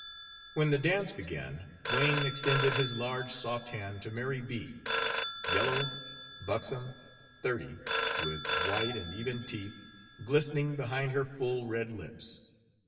When the dance began, Wain extended his large, soft hand to Mary B., yellow, buxom, thirty, with white and even teeth glistening behind her full red lips.